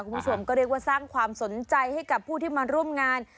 คุณผู้ชมก็เรียกว่าสร้างความสนใจให้กับผู้ที่มาร่วมงาน